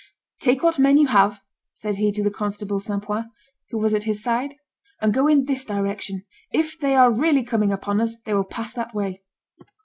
"Take what men you have," said he to the constable St. Poi, who was at his side, "and go in this direction; if they are really coming upon us, they will pass that way."